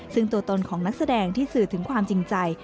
ซึ่งตัวตนของนักแสดงที่สื่อถึงความจริงใจ